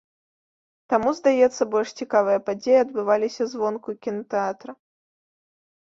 Таму, здаецца, больш цікавыя падзеі адбываліся звонку кінатэатра.